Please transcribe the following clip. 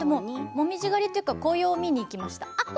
もみじ狩りというか紅葉を見に行きました。